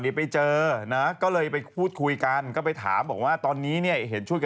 นี่ก็ดูออกได้ยังไงพี่หนุ่ม